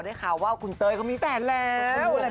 ได้ข่าวว่าคุณเตยก็มีแฟนแล้ว